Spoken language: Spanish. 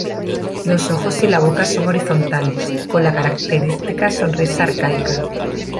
Los ojos y la boca son horizontales, con la característica sonrisa arcaica.